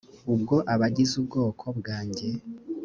ubwo abagize ubwoko bwanjye